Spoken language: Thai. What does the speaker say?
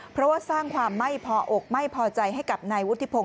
เพราะว่าสร้างความไม่พออกไม่พอใจให้กับนายวุฒิพงศ